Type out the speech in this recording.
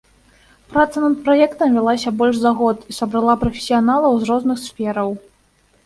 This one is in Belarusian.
Праца над праектам вялася больш за год і сабрала прафесіяналаў з розных сфераў.